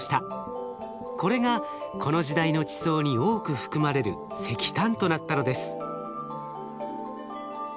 これがこの時代の地層に多く含まれる石炭となったのです。